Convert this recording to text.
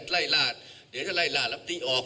ไล่ล่าเดี๋ยวจะไล่ล่าลำตีออก